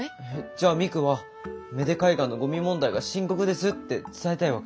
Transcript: じゃミクは芽出海岸のゴミ問題が深刻ですって伝えたいわけ？